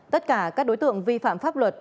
tất cả các đối tượng vi phạm pháp luật